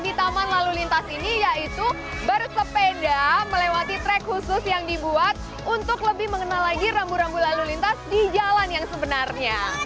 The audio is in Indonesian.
di taman lalu lintas ini yaitu bersepeda melewati trek khusus yang dibuat untuk lebih mengenal lagi rambu rambu lalu lintas di jalan yang sebenarnya